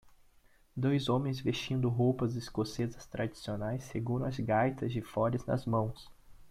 Dois homens vestindo roupas escocesas tradicionais seguram as gaitas de foles nas mãos.